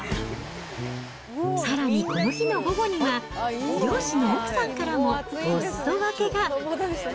さらにこの日の午後には、漁師の奥さんからもおすそ分けが。